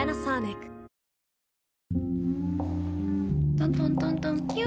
トントントントンキュ。